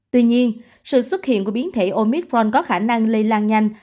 tuy nhiên sự xuất hiện của biến thể omitforn có khả năng lây lan nhanh